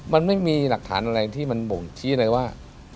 มันไม่มีหลักฐานอะไรที่มันบ่งชี้เลยว่า